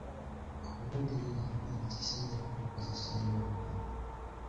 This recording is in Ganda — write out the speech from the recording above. Okubuulirira abaana kisingako okukozesa embooko.